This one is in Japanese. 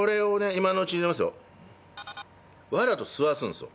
今のうちに入れますよ。わざと吸わすんですよ。